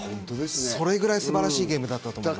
それぐらい素晴らしいゲームだったと思います。